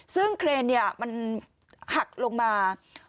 ซึ่งเครนเนี่ยมันหักลงมา